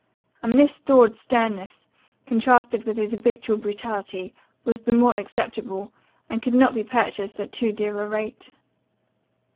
And this thawed sternness, contrasted with his habitual brutality, was the more acceptable, and could not be purchased at too dear a rate.